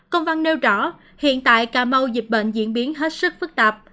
công văn nêu rõ hiện tại cà mau dịch bệnh diễn biến hết sức phức tạp